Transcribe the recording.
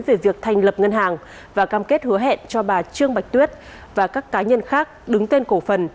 về việc thành lập ngân hàng và cam kết hứa hẹn cho bà trương bạch tuyết và các cá nhân khác đứng tên cổ phần